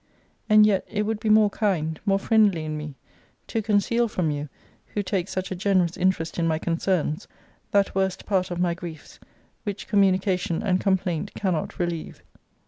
And yet it would be more kind, more friendly in me, to conceal from you, who take such a generous interest in my concerns, that worst part of my griefs, which communication and complaint cannot relieve.